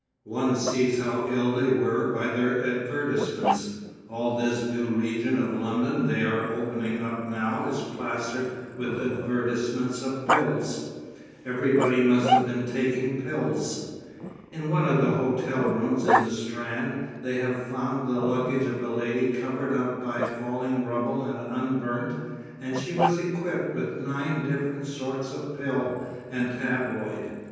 One sees how ill they were by their advertisements. All this new region of London they are opening up now is plastered with advertisements of pills. Everybody must have been taking pills. In one of the hotel rooms in the Strand they have found the luggage of a lady covered up by falling rubble and unburnt, and she was equipped with nine different sorts of pill and tabloid.